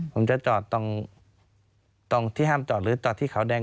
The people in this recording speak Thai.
ผมจะจอดตรงที่ห้ามจอดหรือจอดที่ขาวแดง